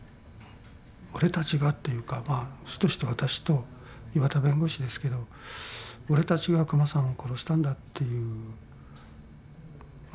俺たちがというか主として私と岩田弁護士ですけど「俺たちが久間さんを殺したんだ」っていうまあ